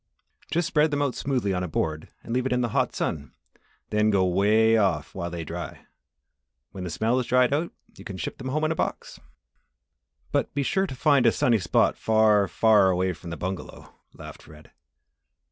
"Just spread them out smoothly on a board and leave it in the hot sun then go way off while they dry. When the smell is dried out you can ship them home in a box." "But be sure you find a sunny spot far, far away from the bungalow," laughed Fred.